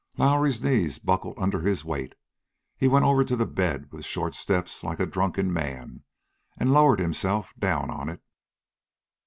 Lowrie's knees buckled under his weight. He went over to the bed, with short steps like a drunken man, and lowered himself down on it.